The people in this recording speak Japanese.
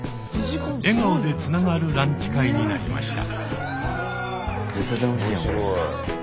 笑顔でつながるランチ会になりました。